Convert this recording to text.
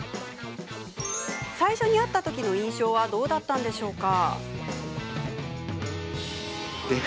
最初に会ったときの印象はどうだったんでしょうか？